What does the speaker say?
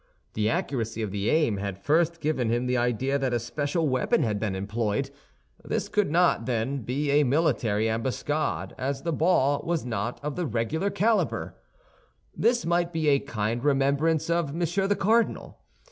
The accuracy of the aim had first given him the idea that a special weapon had been employed. This could not, then, be a military ambuscade, as the ball was not of the regular caliber. This might be a kind remembrance of Monsieur the Cardinal.